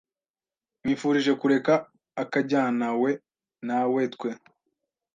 Nkwifurije kureka akajyanawe nawetwe.